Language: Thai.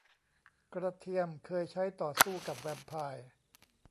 กระเทียมเคยใช้ต่อสู้กับแวมไพร์